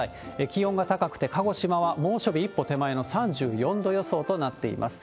気温が高くて、鹿児島は猛暑日一歩手前の３４度予想となっています。